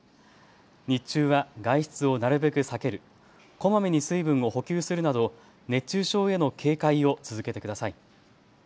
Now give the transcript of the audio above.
日中は外出をなるべく避ける、こまめに水分を補給するなど熱中症への警戒を続けてください。